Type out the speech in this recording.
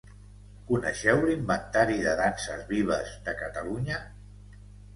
Coneixeu l'inventari de danses vives de Catalunya?